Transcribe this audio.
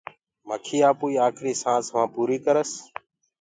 مَکيٚ آپوئيٚ آکريٚ سآنٚس وهآنٚ پوريٚ ڪرس